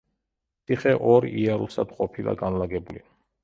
ციხე ორ იარუსად ყოფილა განლაგებული.